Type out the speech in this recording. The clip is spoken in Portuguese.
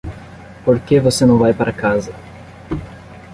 Por que você não vai para casa?